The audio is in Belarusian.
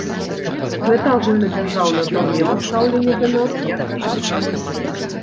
Гэта агульнадзяржаўная праблема стаўлення да нас як да жанчын.